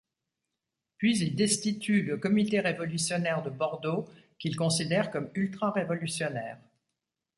Puis il destitue le comité révolutionnaire de Bordeaux qu'il considère comme ultra-révolutionnaire.